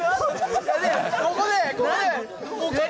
ここで。